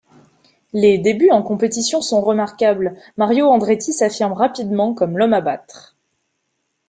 Les débuts en compétition sont remarquables, Mario Andretti s'affirme rapidement comme l'homme à battre.